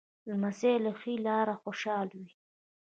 لمسی له ښې لاره خوشحاله وي.